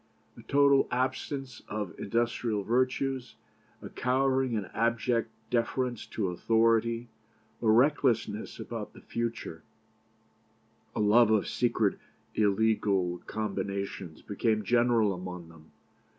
A total absence of industrial virtues, a cowering and abject deference to authority, a recklessness about the future, a love of secret illegal combinations, became general among them.